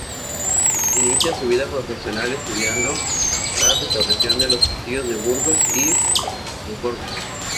Inicia su vida profesional estudiando la restauración de los castillos de Burgos y Pancorbo.